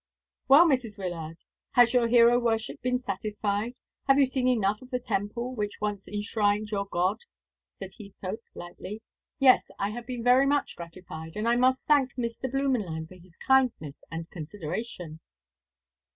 "Well, Mrs. Wyllard, has your hero worship been satisfied? Have you seen enough of the temple which once enshrined your god?" said Heathcote lightly. "Yes, I have been very much gratified; and I must thank Mr. Blümenlein for his kindness and consideration."